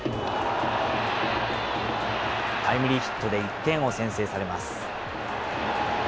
タイムリーヒットで１点を先制されます。